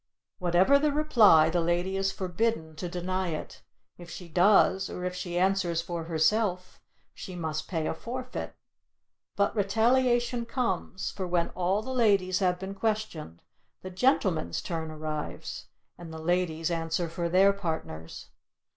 Whatever the reply the lady is forbidden to deny it; if she does, or if she answers for herself, she must pay a forfeit. But retaliation comes, for when all the ladies have been questioned the gentlemen's turn arrives, and the ladies answer for their partners.